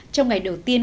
trong ngày đầu tiên